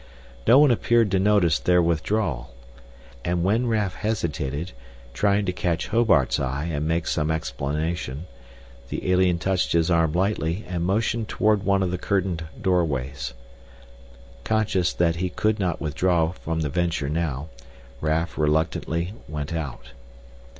No one appeared to notice their withdrawal. And when Raf hesitated, trying to catch Hobart's eye and make some explanation, the alien touched his arm lightly and motioned toward one of the curtained doorways. Conscious that he could not withdraw from the venture now, Raf reluctantly went out.